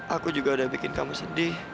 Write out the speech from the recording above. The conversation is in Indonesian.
aku juga udah bikin kamu sedih